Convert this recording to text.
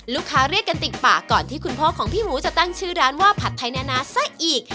เรียกกันติดปากก่อนที่คุณพ่อของพี่หมูจะตั้งชื่อร้านว่าผัดไทยนานาซะอีก